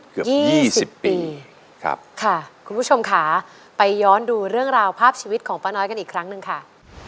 เกือบยี่สิบปีครับค่ะคุณผู้ชมค่ะไปย้อนดูเรื่องราวภาพชีวิตของป้าน้อยกันอีกครั้งหนึ่งค่ะ